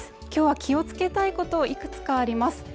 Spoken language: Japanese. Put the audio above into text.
今日は気をつけたいことをいくつかあります